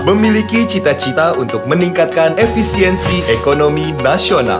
memiliki cita cita untuk meningkatkan efisiensi ekonomi nasional